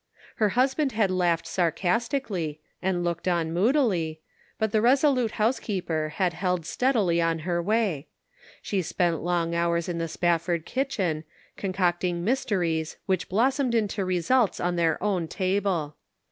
Her husband had laughed sarcastically, and looked on moodily, but the resolute house keeper had held steadily on her way. She spent long hours in the Spafford kitchen, con cocting mysteries which blossomed into results Measuring Responsibility. 408 on their own table.